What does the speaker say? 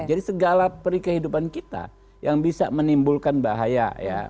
jadi segala perkehidupan kita yang bisa menimbulkan bahaya